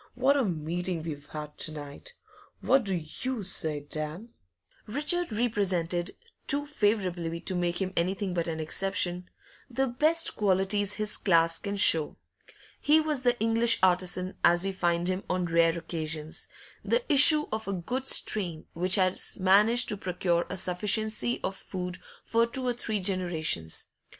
What a meeting we've had to night! What do you say, Dan?' Richard represented too favourably to make him anything but an exception the best qualities his class can show. He was the English artisan as we find him on rare occasions, the issue of a good strain which has managed to procure a sufficiency of food for two or three generations.